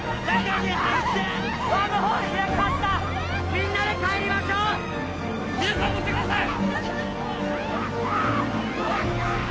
みんなで帰りましょうみなさん乗ってください！